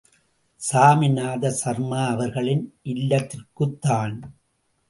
சாமிநாத சர்மா அவர்களின் இல்லத்திற்குத்தான்!